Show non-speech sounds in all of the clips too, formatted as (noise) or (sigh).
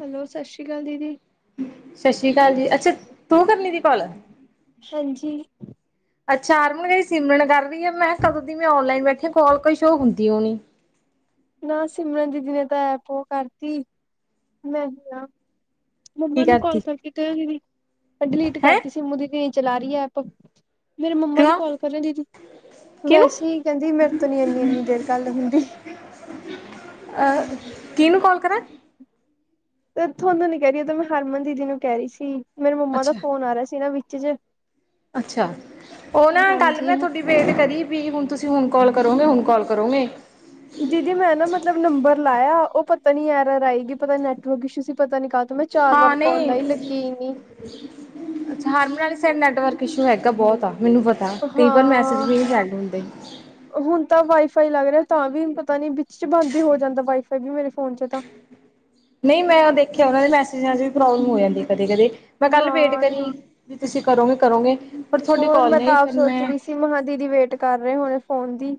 Hello Sat Sri ਅਕਾਲ ਦੀਦੀ। ਸਤਿ ਸ਼੍ਰੀ ਜੀ ਅੱਛਾ ਤੂੰ ਕਰਨੀ ਦੀ ਕੋਲ। ਹਾਂਜੀ ਅੱਛਾ ਆਰ ਮਹਗਾਈ ਸਿਮਰਨ ਕਰ ਰਹੀ ਮੈਂ ਕਦੋਂ ਦੀ ਆਨਲਾਈਨ ਬੈਠੀ ਕਲ ਕੁਛ ਹੋ ਹੁੰਦੀ ਉਹ ਨੀ। ਨਾ ਸਿਮਰਨ ਦੀਦੀ ਨੇ ਤਾਂ ਐਪ ਓ ਕਰਤੀ ਮੈਂ ਕੀ ਮੰਮਾ ਨੂੰ ਕਾਲ ਕਰਤੀ ਕਰਕੇ ਕ ਡਿਲੀਟ ਹੈਂ ਕਰਤੀ ਸੀਮੂ ਦੀ ਨੇ ਚਲਾ ਰਹੀ ਹੈ ਐਪ ਮੇਰੇ ਮੰਮਾ ਨੂੰ ਕਿਉਂ ਕਾਲ ਕਰਿਆ ਦੀਦੀ ਕਿਹਨੂੰ ਵੈਸੇ ਕਹਿੰਦੀ ਮੇਰੇ ਤੋਂ ਨੀ ਇਨੀ ਇੰਨੀ ਦੇਰ ਗੱਲ ਹੁੰਦੀ ਕਿਹਨੂੰ ਕਾਲ ਕਰਾਂ। ਤੇ ਤੁਹਾਨੂੰ ਨੀ ਕਹਿ ਰਹੀ ਮੈਂ ਹਰਮਨ ਦੀਦੀ ਨੂੰ ਕਹਿ ਰਹੀ ਸੀ। ਮੇਰੇ ਮੰਮਾ ਦਾ ਅੱਛਾ ਫੋਨ ਆ ਰਿਹਾ ਸੀ ਨਾ ਵਿਚ। (unintelligible) ਅੱਛਾ ਉਹ ਨਾ ਗੱਲ ਹਾਂਜੀ। ਮੈਂ ਤੁਹਾਡੀ ਵੇਟ ਕਰੀ ਵੀ ਹੁਣ ਤੁਸੀਂ ਹੁਣ ਕਾਲ ਕਰੋਗੇ ਹੁਣ ਕਾਲ ਕਰੋਗੇ। ਦੀਦੀ ਮੈਂ ਨਾ ਮਤਲਬ ਨੰਬਰ ਲਾਇਆ ਉਹ ਪਤਾ ਨੀ ਯਾਰ ਰਹਿਏਗੀ ਪਤਾ ਨੈਟਵਰਕ ਇਸ਼ੂ ਸੀ ਪਤਾ ਨੀ ਤੋਂ ਮੈਂ ਚਾਰ ਵਾਰ ਹਾਂ ਕਾਲ ਨਹੀਂ ਲਾਈ ਲੱਗੀ ਨੀ ਅਛਾ ਹਰਮਨੀ ਸਾਈਡ ਨੈਟਵਰਕ ਇਸ਼ੂ ਹੈਗਾ ਬਹੁਤ ਆ ਮੈਨੂੰ ਪਤਾ ਕਈ ਵਾਰ ਮੈਸੇਜ ਹਾਂ ਵੀ ਨਹੀਂ ਸੈਂਡ ਹੁੰਦੇ ਫਾਈ ਲੱਗ ਰਿਹਾ ਤਾਂ ਵੀ ਪਤਾ ਨੀ ਚ ਬੰਦ ਹੀ ਹੋ ਜਾਂਦਾ ਵਾਈਫਾਈ ਵੀ ਮੇਰੇ ਫੋਨ ਚ ਤਾਂ ਨਹੀਂ ਮੈਂ ਉਹ ਦੇਖਿਆ ਉਹਨਾਂ ਦੇ ਮੈਸੇਜ ਪ੍ਰੋਬਲਮ ਹੋ ਜਾਂਦੇ ਕਦੇ ਕਦੇ ਮੈਂ ਕੱਲ ਵੇਟ ਹਾਂ ਕਰੀ ਤੁਸੀਂ ਕਰੋਗੇ ਕਰੋਂਗੇ ਹੋਰ ਮੈਂ ਤਾਂ ਆਪ ਸੋਚ ਰਹੀ ਸੀ ਮੈ ਕਿਹਾਂ ਦੀਦੀ ਵੇਟ ਕਰ ਰਹੇ ਹੋੁਣੇ ਫੋਨ ਦੀ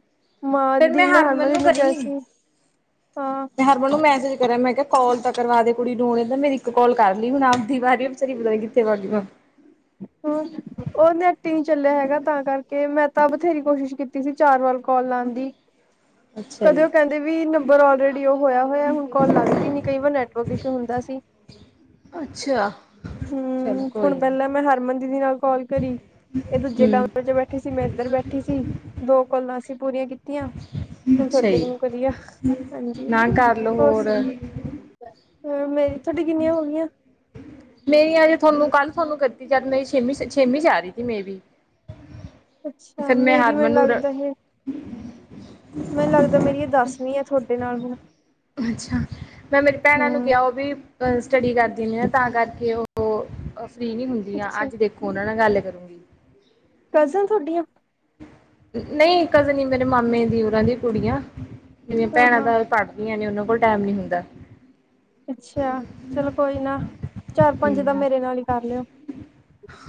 ਮਾਂ ਫੇਰ ਦੀ ਮੈਂ ਹਰਮਨ ਹਰਮਨਦੀਪ ਨੂੰ ਕਰੀ ਕਿਹਾ ਸੀ ਹਾਂ ਸੀ ਹਰਮਨ ਨੂੰ ਮੈਸੇਜ ਮੈਂ ਕਿਹਾ ਕਾਲ ਤਾਂ ਕਰਵਾ ਦੇ ਕੁੜੀ ਨੂੰ ਹੁਣੇ ਮੇਰੀ ਇੱਕ ਕਾਲ ਕਰ ਲਈ ਹੁਣ ਆਪਦੀ ਵਾਰੀ ਪਤਾ ਨੀ ਕਿੱਥੇ ਵਗ ਗਈ ਹੋਰ ਉਹ ਨੈਟ ਈ ਨੀ ਚੱਲਿਆ ਹੈਗਾ ਤਾਂ ਕਰਕੇ ਮੈਂ ਤਾਂ ਬਥੇਰੀ ਕੋਸ਼ਿਸ਼ ਕੀਤੀ ਸੀ ਚਾਰ ਵਾਰ ਕਾਲ ਲਾਣ ਦੀ ਅੱਛਾ ਕਦੇ ਜੀ ਉਹ ਕਹਿੰਦੇ ਵੀ ਨੰਬਰ ਆਲਰੇਡੀ ਉਹ ਹੋਇਆ ਹੋਇਆ ਹੁਣ ਕਾਲ ਲੱਗਦੀ ਨ ਕਈ ਵਾਰ ਨੈਟਵਰਕ ਇਸ਼ੂ ਹੁੰਦਾ ਸੀ। ਅੱਛਾ ਚਲੋ ਹਮ ਕੋਈ ਹੁਣ ਨੀ ਪਹਿਲਾਂ ਮੈਂ ਹਰਮਨਦੀਦੀ ਨਾਲ ਕਾਲ ਕਰੀ ਇਹ ਦੂਜੇ ਕਮਰੇ ਹੂੰ ਚ ਬੈਠੀ ਸੀ ਮੈਂ ਇੱਧਰ ਬੈਠੀ ਸੀ ਦੋ ਕੋਲਾਂ ਅਸੀਂ ਪੂਰੀਆਂ ਕੀਤੀਆਂ ਹੁਣ ਅੱਛਾ ਤੁਹਾਡੇੇ ਜੀ ਨੂੰ ਕਰੀਆ ਹਾਂਜੀ ਨਾ ਕਰ ਲਓ ਹੋਰ ਹ ਮੇਰੀ ਤੁਹਾਡੀ ਕਿੰਨੀਆਂ ਹੋ ਗਈਆਂ ਮੇਰੀ ਆਜੇ ਤੁਹਾਨੂੰ ਕੱਲ੍ਹ ਤੁਹਾਨੂੰ ਕੀਤੀ ਜਦ ਮੇਰੀ ਛੇਵੀ ਛੇਵੀਂ ਚ ਆ ਰਹੀ ਸੀ ਮੈਂ ਬੀ ਅੱਛਾ ਫਿਰ ਮੇਰੀ ਮਨ ਲੱਗਦਾ ਹੈ ਮੈਨੂੰ ਲੱਗਦਾ ਮੇਰੀਆਂ ਦੱਸ ਨਹੀਂ ਤੁਹਾਡੇ ਨਾਲ ਹੁਣ ਅੱਛਾ ਮੈਂ ਮੇਰੀ ਭੈਣਾਂ ਨੂੰ ਹਮ ਕਿਹਾ ਉਹ ਵੀ ਬਸ ਸਟੱਡੀ ਕਰ ਦਿੰ ਨੇ ਆ ਤਾਂ ਕਰਕੇ ਉਹ ਉਹ ਫਰੀ ਨੀ ਹੁੰਦੀਆਂ ਅੱਛਾ ਅੱਜ ਦੇਖੋ ਉਹਨਾਂ ਨਾ ਗੱਲ ਕਰੂੰਗੀ ਕਜ਼ਨ ਤੁਹਾਡੀਆਂ ਨਹੀਂ ਕਜਨ ਹੀ ਮੇਰੇ ਮਾਮੇ ਦੀ ਉਨਾਂ ਦੀ ਕੁੜੀ ਆ ਜਿਨੀਆਂ ਹਾਂ ਭੈਣਾਂ ਹਾਂ ਤਾਂ ਪੜ੍ਹਦੀਆਂ ਨੇ ਉਹਨਾਂ ਨੂੰ ਕੋਲ ਟਾਈਮ ਨਹੀਂ ਹੁੰਦਾ ਅੱਛਾ ਚਲੋ ਕੋਈ ਨਾ ਚਾਰ ਪੰਜ ਦਾ ਹਮ ਮੇਰੇ ਨਾਲ ਹੀ ਕਰ ਲਿਓ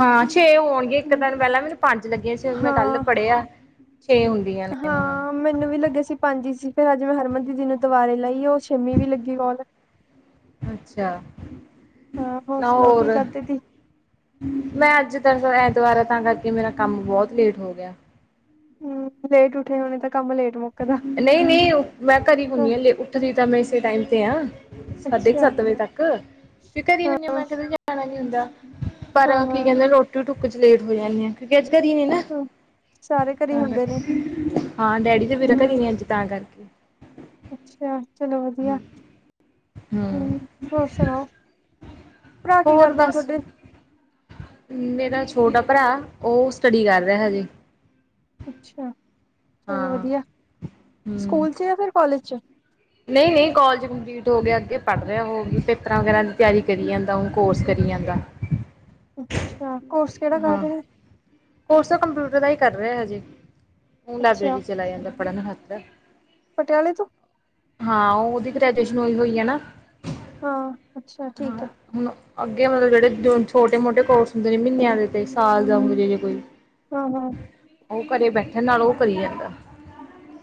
ਹਾਂ ਛੇ ਹੋਣਗੇ ਇੱਕ ਹੂੰ, ਦਿਨ ਪਹਿਲਾਂ ਮੈਨੂੰ ਪੰਜ ਲੱਗੀਆਂ ਸੀ ਮੈਂ ਕੱਲ ਹਾਂ ਪੜ੍ਹਿਆ ਛੇ ਹੁੰਦੀਆਂ ਨੇ ਹਾਂ ਮੈਨੂੰ ਵੀ ਲੱਗਿਆ ਸੀ ਪੰਜ ਸੀ ਭੈਣਾਂ ਹਰਮਨ ਦੀ ਜੀ ਨੂੰ ਦੁਬਾਰੇ ਲਾਈ ਉਹ ਛੇਵੀ ਵੀ ਲੱਗੀ ਕੋਲ ਅੱਛਾ ਹਾਂ ਨਾ ਸੁਣਾਓ ਕੀ ਹੋਰ ਕਰਦੇ ਤੀ ਮੈਂ ਅੱਜ ਤ ਦੁਬਾਰਾ ਤਾਂ ਕਰਕੇ ਮੇਰਾ ਕੰਮ ਬਹੁਤ ਲੇਟ ਹੋ ਗਿਆ ਹਮ ਲੇਟ ਉੱਠੇ ਹੋਣੇ ਤਾਂ ਕੰਮ ਲੇਟ ਮੁੱਕਦਾ ਨਹੀਂ ਨਹੀਂ ਮੈਂ ਕਰੇ ਹੁੰਦੀ ਹ ਉੱਠਦੀ ਤਾਂ ਮੈਂ ਇਸੇ ਟਾਈਮ ਤੇ ਆ ਸਾਢੇ ਕੁ ਅੱਛਾ। ਸੱਤ ਵਜੇ ਤੱਕ ਵੀ ਘਰੇ ਹਾਂ, ਹਨ ਹਾਂ, ਮੈਂ ਕਦੇ ਜਾਣਾ ਨੀ ਹੁੰਦਾ ਪਰ ਹਾਂ ਕੀ ਹਾਂ ਕਹਿੰਦੇ ਰੋਟੀ ਟ ਕੁਝ ਲੇਟ ਹੋ ਜਾਂਦੀ ਕਿਉਂਕਿ ਅੱਜ ਕਰੀਂ ਨਾ ਸਾਰੇ ਘਰੇ ਹੁੰਦੇ ਨੇ ਹਾਂ ਡੈਡੀ ਵੀ ਰੱਖਦੀ ਹੂੰ। ਤਾਂ (inaudible) ਕਰ ਕੀ ਅੱਛਾ ਚਲੋ ਵਧੀਆ ਹਮ ਹੂੰ, ਹੋਰ ਸੁਣਾਓ ਭਰਾ ਕੀ ਹੋਰ ਕਰਦੇ ਆ ਬਸ ਤੁਹਾਡੇ? ਮੇਰਾ ਛੋਟਾ ਭਰਾ ਉਹ ਸਟੱਡੀ ਕਰ ਰਿਹਾ ਹਜੇ। ਅੱਛਾ। ਚਲੋ ਹਾਂ ਵਧੀਆ ਹਮ ਸਕੂਲ ਚ ਜਾਂ ਫਿਰ ਕਾਲਜ ਚ। ਨਹੀਂ ਨਹੀਂ ਕੋਲਜ ਕੰਪਲੀਟ ਹੋ ਗਿਆ ਅੱਗੇ ਪੜ੍ਹ ਰਿਹਾ ੳਹ ਪੇਪਰਾਂ ਵਗੈਰਾ ਦੀ ਤਿਆਰੀ ਕਰੀ ਜਾਂਦਾ ਹ ਕੋਰਸ ਕਰੀ ਜਾਂਦਾ। ਅੱਛਾ ਕੋਰਸ ਕਿਹੜਾ ਕਰ ਹਾਂ ਰਿਹਾ? ਕੋਰਸ ਤਾਂ ਕੰਪਿਊਟਰ ਦਾ ਹੀ ਕਰ ਰਿਹਾ ਹੈ ਹਜੇ। ਹੁਣ ਲਾਇਬ੍ਰੇਰੀ ਅੱਛਾ ਚਲਾ ਜਾਂਦਾ ਪੜ੍ਹਨ ਹਥ ਪਟਿਆਲੇ ਤੋਂ ਹਾਂ ਉਹਦੀ ਗ੍ਰੈਜੂਏਸ਼ਨ ਹੋਈ ਹੋਈ ਆ ਨਾ। ਹਾਂ, ਅੱਛਾ ਠੀਕ ਹਾਂ ਹੈ। ਹੁਣ ਅੱਗੇ ਮਤਲਬ ਜਿਹੜੇ ਛੋਟੇ ਮੋਟੇ ਕੋਰਸ ਹੁੰਦੇ ਨੇ ਮਹੀਨਿਆਂ ਦੇ ਤੇ ਸਾਲ ਦਾ ਦੇ ਹੋਜੇ ਕੋਈ ਹਾਂ ਹਾਂ ਉਹ ਘਰੇ ਬੈਠਣ ਨਾਲੋ ਉਹ ਕਰੀ ਜਾਂਦਾ।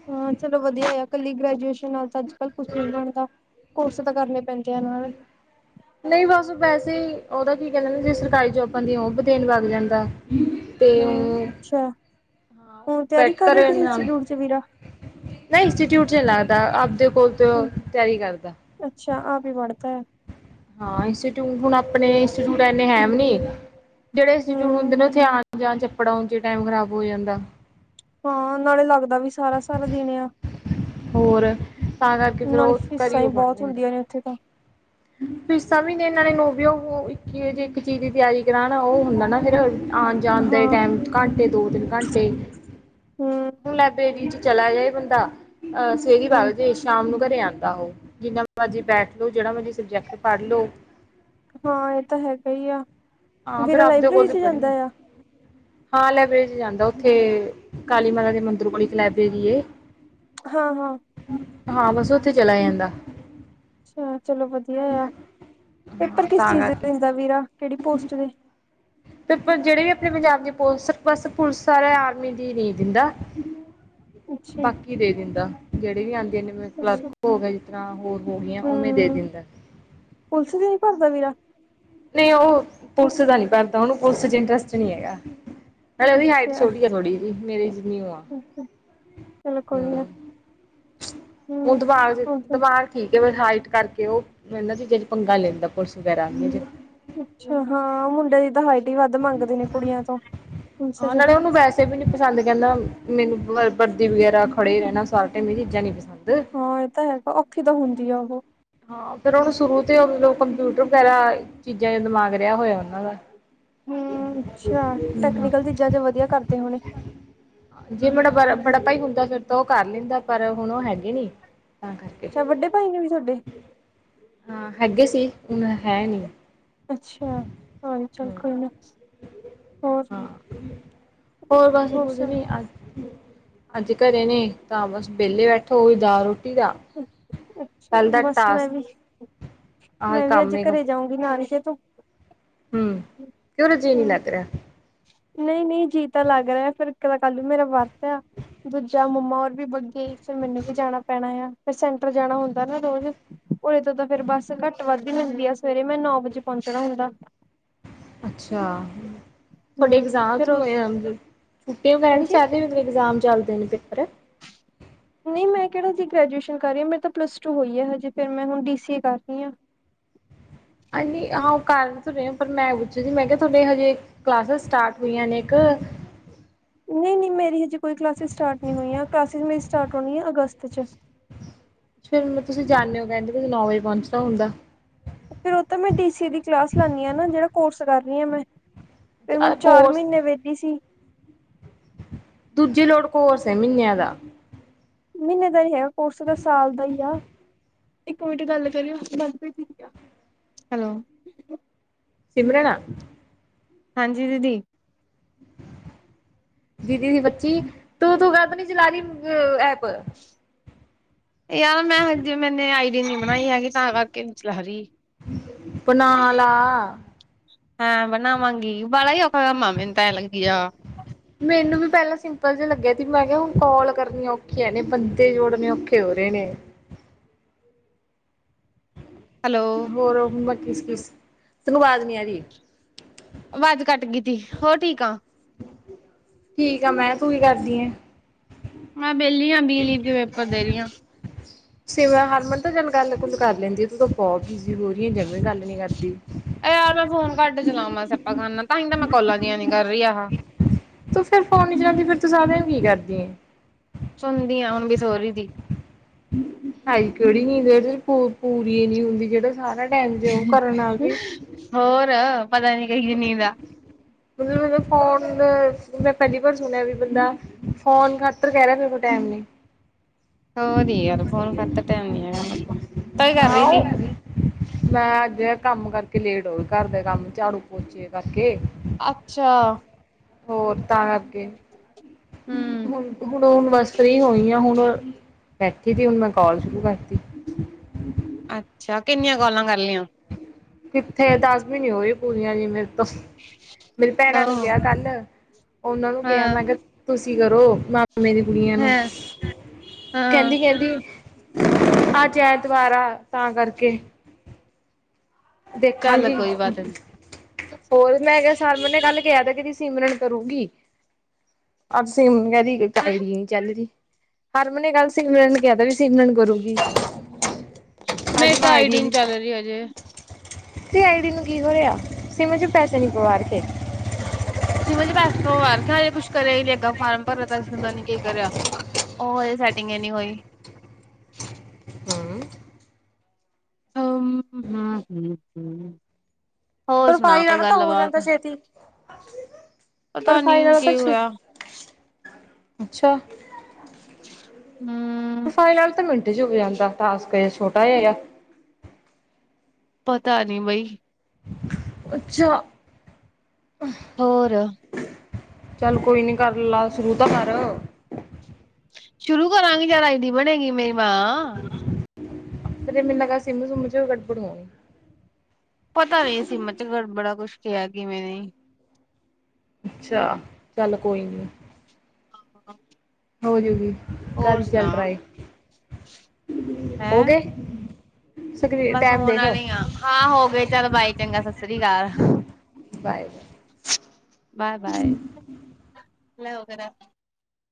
ਹਾਂ ਚਲੋ ਵਧੀਆ ਆ ਇਕੱਲੀ ਗ੍ਰੈ ਅਜ ਕਲ ਕੁੱਛ ਨੀ ਬਣਦਾ। ਕੋਰੱਸ ਤਾਂ ਕਰਨੇ ਪੈਂਦੇ ਆ ਨਾਲ ਨਹੀਂ ਬਸ ਵੈਸੇ ਤੇ ਉਹਦਾ ਕੀ ਕਹਿੰਦੇ ਜੇ ਸਰਕਾਰੀ ਜੋਬਾਂ ਦੀ ਏ ਉਹ ਭੀ ਦੇਣ ਲਗ ਜਾਂਦਾ। ਤੇ ਔ ਹੂੰ ਅੱਛਾ ਹੁਣ ਤਿਆਰੀ ਬੈਠ ਕਰ ਰਹੇ ਕਿਸੇ ਨਹੀਂ ਇੰਸਟੀਚਿਊਟ ਚ ਵੀਰਾ? ਇੰਸਟਿਊਟ ਚ ਨਹੀਂ ਲੱਗਦਾ ਆਪਦੇ ਕੋਲ ਤੋ ਤਿਆਰੀ ਕਰਦਾ ਹਾਂ ਇੰਸਟਿਊਟ ਹੁਣ ਅਪਣੇ ਇੰਸਟੀਟਿਊਟ ਇਨੇ ਹੈ ਵੀ ਨੀ। ਜਿਹੜੇ ਇੰਸਟੀਟਿਊਟ ਹੁੰਦੇ ਨੇ ਉਥੇ ਜਾਂ ਚੱਪੜਾ ਉਚ ਟਾਈਮ ਖ਼ਰਾਬ ਹੋ ਜਾਂਦਾ। ਹਾਂ ਨਾਲੇ ਲੱਗ ਦਾ ਵੀ ਸਾਰਾ ਸਾਰਾ ਦਿਨ ਆ। ਹੋਰ ਤਾਂ ਕਰਕੇ ਫੇਿਰ ਨਾਲੇ ਉਹ ਫੀਸਾਂ ਘਰੀ ਹੀ ਉਹ ਪੜ ਬਹੁਤ ਲੈਂਦਾ। ਹੁੰਦੀਆਂ ਨੇ ਉੱਥੇ ਤਾਂ ਫੀਸਾਂ ਵੀ ਇਹਨਾਂ ਨੇ ਨ ਵੀ ਉਹ ਇੱਕੇ ਇੱਕ ਚੀਜ਼ ਦੀ ਤਿਆਰੀ ਕਰਾ ਨਾ ਉਹ ਹੁੰਦਾ ਨਾ ਫਿਰ ਆਣ ਜਾਂਣ ਦੇ ਹਾਂ ਟਾਈਮ ਕਢ ਦੋ, ਤਿੰਨ ਘੰਟੇ ਹਮ ਹੁਣ ਲੈਬ੍ਰੇਰੀ ਚ ਚਲਾ ਜਾਏ ਬੰਦਾ ਅਹ ਸਵੇਰੀ ਬਾਬ ਹਮ ਜੇ ਸ਼ਾਮ ਨੂੰ ਘਰੇ ਆਉਂਦਾ ਉਹ ਜਿੰਨਾ ਮਰਜ਼ੀ ਬੈਠ ਲੋੋ ਜਿਹੜਾ ਮਰਜ਼ੀ ਸਬਜੈਕਟ ਪੜ੍ਹ ਲੋ ਹਾਂ ਇਹ ਤਾਂ ਹੈਗਾ ਹੀ ਆ ਹਾਂ ਫਿਰ ਵੀਰਾ ਆਪਦੇ ਲਾਇਬ੍ਰੇਰੀ ਕੋਲ ਹੀ ਚ ਪੜ੍ਹੀ ਜਾਂਦਾ ਆ ਹਾਂ ਲਾਇਬ੍ਰੇਰੀ ਚ ਜਾਂਦਾ ਉੱਥੇ ਕਾਲੀ ਮਾਤਾ ਦੇ ਮੰਦਰ ਕੋ ਇੱਕ ਲਾਇਬ੍ਰੇਰੀ ਹਾਂ ਹਾਂ ਹਾਂ ਬ ਅੱਛਾ ਚਲੋ ਵਧੀਆ ਆ ਪੇਪਰ ਹਾਂ ਕਿਸ ਤਾਂ ਚੀਜ਼ ਕਰਕੇ ਦਿੰਦਾ ਵੀਰਾ ਕਿਹੜੀ ਪੋਸਟ ਦੇ ਤੇ ਜਿਹੜੇ ਵੀ ਆਪਣੇ ਪੰਜਾਬ ਦੀ ਪੋਸਟ ਬਸ ਪੁਲਿਸ ਸਾਰਾ ਆਰਮੀ ਦੀ ਨਹੀਂ ਦਿੰਦਾ ਅੱਛਾ ਬਾਕੀ ਦੇ ਦਿੰਦਾ ਜਿਹੜ ਵੀ ਆਂਦੀ ਜਿਵੇ ਕਲਕ ਅੱਛਾ ਹੋ ਗਿਆ ਜਿਸ ਤਰ੍ਹਾਂ ਹੋਰ ਹੋ ਗਈਆਂ ਉਵੇਂ ਦੇ ਹਮ ਦਿੰਦਾ ਪੁਲਿਸ ਦੇ ਨੀ ਭਰਦਾ ਵੀਰਾ ਨਹੀਂ ਉਹ ਪੁਲਿਸ ਦਾ ਨੀ ਭਦਾ ਉਹਨੂੰ ਪੁਲਿਸ ਚ ਇੰਟਰਸਟ ਨਹੀਂ ਹੈਗਾ ਨਾਲੇ ਉਹਦੀ ਹਾਈਟ ਅੱਛਾ ਛੋਟੀੀ ਥੋੜੀ ਮੇਰੇ ਹਮ ਅੱਛਾ, ਚਲੋ ਕੋਈ ਨਾ ਹੁਣ ਹਮ ਦਬਾਗ ਦਬਾਰ ਠੀਕ ਕੇਵ ਹਾਈਟ ਕਰਕੇ ਉਹਹਿੰਦਾ ਚੀ ਚ ਪੰਗਾ ਲੈਂਦਾ ਪੁਲਿਸ ਵਗੈਰਾ ਅੱਛਾ ਹਾਂ ਮੁੰਡੇ ਦੀ ਦਹਾਾਈ ਪੁਲਿਸ ਹਾਂ ਚ ਨਾਲੇ ਉਹਨੂੰ ਵੈਸੇ ਵੀ ਨੀ ਪਸੰਦ ਕਹਿੰਦਾ ਮੈਨੂੰ ਵਰਦੀ ਵਗੈਰਾ ਖੜੇ ਰਹਿਣਾ ਸਾਰਟ ਮੇਰੀ ਚੀਜ਼ਾਂ ਨੀ ਪਸੰਦ ਹਾਂ ਇਹ ਤਾਂ ਹੈਗਾ ਔਖੀ ਤਾਂ ਹੁੰਦੀ ਆ ਉਹ ਹਾਂ ਫਿਰ ਉਹਨੂੰ ਸ਼ੁਰੂ ਤੋਂ ਮਤਲਬ ਕੰਪਿਊਟਰ ਵਗੈਰਾ ਚੀਜ਼ਾਂ ਦਿਮਾਗ ਰਿਹਾ ਹੋਇਆ ਉਹਨਾਂ ਦਾ ਹੂੰ ਅੱਛਾ ਟੈਕਨੀਕਲ ਚੀਜ਼ਾਂ ਚ ਵਧੀਆ ਕਰਦੇ ਹੋਣੇ ਜੇ ਮੁੜਾ ਬੜਾ ਬੜਾ ਭਾਈ ਹੁੰਦਾ ਫ ਤਾਂ ਉਹ ਕਰ ਲੈਂਦਾ ਪਰ ਹੁਣ ਉਹ ਹੈਗੇ ਨੀ ਤਾਂ ਕਰਕੇ ਅੱਛਾ ਵੱਡੇ ਭਾਈ ਨੇ ਵੀ ਤੁਹਾਡੇ ਹਾਂ ਹੈਗੇ ਸੀ ਹੁਣ ਹੈ ਨਹੀਂੀ ਅੱਛਾ ਹੋਰ ਚੱਲ ਕੋਈ ਨਾ ਹੋਰ ਹੋਰ ਬਸ ਕੁਝ ਨੀ ਅੱਜ ਅੱਜ ਘਰੇ ਨੇ ਤਾਂ ਬਸ ਵਿਹਲੇ ਬੈਠੋ ਦਾਲ ਰੋਟੀ ਦਾ ਅੱਛਾ ਪਲ ਦਾ ਬਸ ਮੈਂ ਟਾਸਕ ਵੀ ਆਹ ਮੈਂ ਵੀ ਅੱਜ ਕੰਮ ਏ ਹੂੰ ਘਰੇ ਜਾਊਂਗੀ ਨਾਲ ਤਕੇ ਤ ਹਮ ਕਿਉਂ ਰ ਜੀਅ ਨੀ ਲੱਗ ਰਿਹਾ ਨਹੀਂ ਨਹੀਂ ਜੀਅ ਤਾਂ ਲੱਗ ਰਿਹਾ ਫਿਰ ਇੱਕ ਤਾਂ ਕੱਲ ਮੇਰਾ ਵਰਤ ਆ ਦੂਜਾ ਮੰਮਾ ਔਰ ਵੀ ਵਗ ਗਈ ਫਿਰ ਮੈਨੂੰ ਵੀ ਜਾਣਾ ਪੈਣਾ ਆ ਫਿਰ ਸੈਂਟਰ ਜਾਣਾ ਹੁੰਦਾ ਨਾ ਰੋਜ਼। ਉਰੇ ਤੋਂ ਤਾਂ ਫੇਰ ਬੱਸ ਘੱਟ। ਘੱਟ ਵੱਧਦੀ ਮਿਲਦੀ ਆ ਸਵੇਰੇ ਮੈਂ ਨੌ ਵਜੇ ਪਹੁੰਚਣਾ ਹੁੰਦਾ । ਅੱਛਾ। ਤੁਹਾਡੇ ਹੂੰ ਇਗਜ਼ਾਮ ਫਿਰ ਉੱਥੋਂ ਉਹ ਹੋਏ ਹਨ। ਫੁੱਟੇ ਵੈਗਾਰਾ ਨੀ ਹਾਂਜੀ ਚੱਲਦੇ ਹੁੰਦੇ ਇਗਜ਼ਾਮ ਚ। ਚੱਲਦੇ ਨੇ ਪੇਪਰ। ਨਹੀਂ ਮੈਂ ਕਿਹੜਾ ਜੀ ਗ੍ਰੈਜੂਏਸ਼ਨ ਕਰ ਰਹੀ ਹਾਂ ਮੇਰੇ ਤਾਂ ਪਲੱਸ ਟੂ ਹੋਈ ਹੈ ਹਜੇ ਫਿਰ ਮੈਂ ਹੁਣ ਬੀ ਸੀ ਏ ਕਰ ਰਹੀ ਹਾਂ। ਆਹ ਨੀ ਆਹ ਕਰ ਤਾਂ ਰਹੀ ਆ ਪਰ ਮੈਂ ਪੁੱਛਿਆ ਸੀ ਮੈਂ ਕਿਹਾ ਤੁਹਾਡੇ ਹਜੇ ਕਲਾਸਿਸ ਸਟਾਰਟ ਹੋਈਆਂ ਨੇ ਇੱਕ। ਨਹੀਂ ਨਹੀਂ ਮੇਰੀ ਹਜੇ ਕੋਈ ਕਲਾਸਿਸ ਸਟਾਰਟ ਨਹੀਂ ਹੋਈਆਂ ਕਲਾਸਿਸ ਮੇਰੀ। ਸਟਾਰਟ ਹੋਣੀ ਆ ਅਗਸਤ 'ਚ। ਫਿਰ ਤੁਸੀਂ ਜਾਂਦੇ ਹੋ ਕਹਿੰਦੇ ਨੌ ਵਜੇ ਪਹੁੰਚਣਾ ਹੁੰਦਾ। ਫਿਰ ਉਹ ਤਾਂ ਮੈਂ ਡੀ ਸੀ ਦੀ ਕਲਾਸ ਲਾਣੀ ਆ ਨਾ ਜਿਹੜਾ ਕੋਰਸ ਕਰੀ ਆ ਮੈਂ। ਫਿਰ ਹੁਣ ਚਾਰ ਮਹੀਨੇ ਵੇਹਲੀ ਸੀ। ਦੂਜੇ ਲੋਟ ਕੋਰਸ ਹੈ ਮਹੀਨਿਆਂ ਦਾ। ਮਹੀਨੇ ਦਾ ਨੀ ਹੈਗਾ ਕੋਰਸ ਸਾਲ ਦਾ ਹੀ ਆ ਇਕ ਮਿੰਟ ਗੱਲ ਕਰੋਉ ਮਨਪ੍ਰੀਤ ਦੀਦੀ ਆ ਹੈਲੋ। ਸਿਮਰਨ। ਹਾਂਜੀ ਦੀਦੀ। ਦੀਦੀ ਦੀ ਬੱਚੀ ਤੂੰ ਤੂੰ ਕਾਹਤੋਂ ਨੀ ਚਲਾ ਰਹੀ ਐਪ। ਯਾਰ ਮੈਂ ਹਜੇ ਮੈਨੇ ਆਈਡੀ ਨੀ ਬਣਾਈ ਹੈਗੀ ਤਾਂ ਕਰਕੇ। ਕਰਕੇ ਨੀ ਚਲਾ ਰਹੀ। ਬਨਾਲਾ। ਹਾ ਬਣਾਵਾਂਗੀ ਵਾਲਾ ਔਖਾ ਕੰਮ ਹੈ ਮੈਨੂੰ ਤਾਂ ਆਏ ਲੱਗਿਆ। ਮੈਨੂੰ ਵੀ ਪਹਿਲਾਂ ਸਿੰਪਲ ਜਿਹਾ ਲੱਗਿਆ ਸੀ ਮੈਂ ਕਿਹਾ ਹੁਣ ਕਾਲ ਕਰਨੀਆਂ ਔਖੀਆਂ ਨੇ ਬੰਦੇ ਜੋੜਨ ਔਖੇ ਹੋ ਰਹੇ ਨੇ। ਹੈਲੋ ਹੋਰ ਹੁਣ। ਕਿਸ ਕਿਸ ਤਨੂੰ ਅਵਾਜ਼ ਨਹੀਂ ਆ ਰਹੀ। ਅਵਾਜ਼ ਕੱਟ ਗਈ ਸੀ ਹੋਰ ਠੀਕ ਆ। ਠੀਕ ਆ ਮੈਂ ਤੂੰ ਕੀ ਕਰਦੀ ਆ? ਮੈਂ ਵਿਹਲੀ ਹਾਂ ਬੀਹ ਲੀਵ ਦੇ ਪੇਪਰ ਦੇ ਰਹੀ ਹਾਂ। ਸੇਵਾ ਹਰਮਨ ਤਾਂ ਗੱਲ ਗੁਲ ਕਰ ਲੈਂਦੀ । ਉਹ ਤਾਂ ਬਹੁਤ ਬੀਜੀ ਹੋ ਰਹੀ ਆ ਜਮਾ ਗੱਲ ਨੀ ਕਰਦੀ। ਇਹ ਯਾਰ ਮੈਂ ਫੋਨ ਘੱਟ ਚਲਾਵਾਂ ਸਿਆਪਾ ਖਾਣਾ ਤਾਹੀ ਤਾਂ ਮੈਂ ਕੌਲਾਂ ਜੀਆਂ ਨੀ ਕਰ ਰਹੀ ਆਹਾਂ। ਤੂੰ ਫਿਰ ਫੋਨ ਨੀ ਚਲਾਉਂਦੀ ਫਿਰ ਤੂੰ ਸਾਰਾ ਦਿਨ ਕੀ ਕਰਦੀ ਆ? ਸੁਣਦੀ ਆ ਹੁਣ ਵੀ ਸੋਹਰੀ ਦੀ। ਆਈ ਕਿਹੜੀ ਨੀਂਦ ਜਿਹੜੀ ਪੂਰ ਪੂਰੀ ਨੀ ਹੀ ਹੁੰਦੀ ਜਿਹੜਾ ਸਾਰਾ। ਟਾਈਮ ਜੇ ਉਹ ਕਰਨ ਆਵੇ। ਹੋਰ। ਪਤਾ ਨੀ ਕਹੀ ਜੀ ਨੀਂਦ ਆ। ਮਤਲਬ ਮੈਨੂੰ ਫੋਨ ਦੇ, ਮੈਂ ਪਹਿਲੀ ਵਾਰ ਸੁਣਿਆ ਵੀ ਬੰਦਾ ਫੋਨ ਖਾਤਰ ਕਹਿ ਰਿਹਾ ਫ (unintelligible) ਹੋਰ ਯਾਰ ਫੋਨ ਖਾਤਰ ਟਾਈਮ ਨੀ ਹੈਗਾ ਮੇਰੇ ਕੋਲ ਤੋ ਕੇ ਕਰ ਰਹੀ ਤੀ ਆਹੋ ਮੈਂ ਅੱਜ ਕੰਮ ਕਰਕੇ ਲੇਟ ਹੋ ਗਈ ਘਰ ਦੇ ਕੰਮ, ਝਾੜੂ। ਪੋਚੇ ਕਰ ਅੱਛਾ ਹੋਰ ਤਾਂ ਕਰਕੇ ਹੂੰ ਹੁਣ ਹੁਣ ਬਸ ਫ੍ਰੀ ਹੋਈ ਆ ਹੁਣ ਬੈਠੀ ਤੀ, ਹੁਣ ਮੈਂ ਕਾਲ ਸ਼ੁਰੂ ਕਰਤੀ। ਅੱਛਾ ਕਿੰਨੀਆਂ ਕੋਲਾਂ ਕਰ ਲਈਆਂ? ਕਿੱਥੇ, ਦਸ ਵੀ ਨਹੀਂ ਹੋਈ। ਪੂਰੀਆਂ ਨਹੀਂ ਮਿ ਮੇਰੀ ਭੈਣਾਂ ਓ ਨੂੰ ਕਿਹਾ ਕੱਲ, ਉਹਨਾਂ ਨੂੰ ਕਿਹਾ ਹਾਂ ਮੈਂ ਕਿਹਾ ਤੁਸੀਂ ਛੇਤੀ ਕਰੋ, ਮੈਂ ਮੇਰੀ ਕੁੜੀਆਂ ਨੂੰ ਹਾਂ ਹਾਂ ਕਹਿੰਦੀ, ਕਹਿੰਦੀ ਅੱਜ ਐਤਵਾਰ ਆ। ਤਾਂ ਕਰਕੇ ਚੱਲ ਦੇਖਾਂਗੀ। ਕੋਈ ਬਾਤ ਨੀ ਹੋਰ ਮੈਂ ਕਿਹਾ, ਸਭ ਨੇ ਕੱਲ੍ਹ ਕਿਹਾ ਥਾ ਮੇਰੀ ਸਿਮਰਨ ਕਰੂਗੀ, ਅੱਜ ਸਿਮ (unintelligible) ਚੱਲ ਰੀ ਹਰਮਨ ਨੇ ਕੱਲ੍ਹ ਸਿਮਰਨ ਨੂੰ ਕਿਹਾ ਤਾਂ ਵੀ ਸਿਮਰਨ ਕਰੂਗੀ। (inaudible) ਮੇਰੀ ਤਾਂ ਆਈ ਡੀ ਹੀ ਨਹੀਂ ਚੱਲ ਰਹੀ ਹਜੇ। ਤੇਰੀ ਆਈ ਡੀ ਨੂੰ ਕੀ ਹੋਇਆ? ਸਿਮ ਚ ਪੈਸੇ ਨਹੀਂ ਪਵਾ ਰ ਖ਼ੇ? ਪਵਾ ਰਖੇ ਆ ਹਜੇ ਕੁਛ ਕਰਿਆ ਹੀ ਨੂੰ ਅੱਗਾ ਫਾਰਮ ਭਰਿਆ ਤਾਂ ਇਸਨੂੰ ਪਤਾ ਨੀ ਕੀ ਕਰਿਆ ਉਹ ਹਜੇ ਸੈਟਿੰਗ ਨੀ ਹੋਈ। ਹੂੰ ਹੂੰ ਹੂੰ ਹੂੰ ਪ੍ਰੋਫ਼ਾਇਲ ਵਾਲਾ ਤਾਂ ਹੋ ਜਾਂਦਾ ਛੇਤੀ, ਪਤਾ ਨੀ ਪ੍ਰੋਫ਼ਾਇਲ ਵਾਲਾ ਤਾਂ ਕੀ ਛੇ ਹੋਇਆ ਅੱਛਾ ਹਮ ਪ੍ਰਫ਼ਾਇਲ ਆਲਾ ਤਾਂ ਮਿੰਟ ਜੇ ਜੁਕ ਜਾਂਦਾ ਟਾਸਕ ਏ ਛੋਟਾ ਹੇ ਯਾ। ਪਤਾ ਨਹੀਂ ਬਈ। ਅੱਛਾ। ਹੋਰ ਚੱਲ ਕੋਈ ਨੀ ਕਰ ਲਾ ਸ਼ੁਰੂ ਤਾਂ ਕਰ ਸ਼ੁਰੂ ਕਰਾਂਗੇ ਯਾਰ ਆਈ ਡੀ (unintelligible) ਫੇਰ ਮੈਨੂੰ ਲੱਗਦਾ ਸਿੰਮੂ ਸਮੂ ਚ ਗੱਬੜ ਹੋਣੀ। ਪਤਾ ਨੀ ਸਿਮ ਚ ਗੜਬੜ ਆ ਕੁਛ ਕਿਹਾ ਕਿਵੇੈਂ ਨੇ ਅੱਛਾ ਚੱਲ ਕੋਈ ਨੀ। ਹਾਂ। ਹੋਜੂਗੀ। ਹੋਰ ਸੁਣਾ ਹੋ ਹੈਂ ਗਏ ਸਕਰੀ ਬਸ ਟਾਈਮ ਹੋਣ ਦੇਖ ਬਾਏ ਵਾਲੀ ਆ ਹਾਂ ਹੋ ਗਏ ਚੱਲ ਬਾਈ ਚੰਗਾ ਸਤਿ ਸ੍ਰੀ ਅਕਾਲ। (unintelligible) ਬਾਏ ਬਾਏ ਬਾਏ ਲੈ ਵਗੈਰਾ